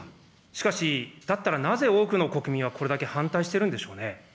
しかし、だったらなぜ多くの国民はこれだけ反対しているんでしょうね。